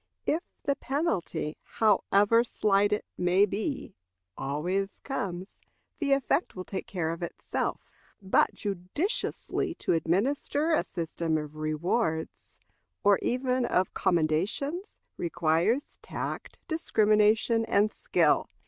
If the penalty, however slight it may be, always comes, the effect will take care of itself. But judiciously to administer a system of rewards, or even of commendations, requires tact, discrimination, and skill.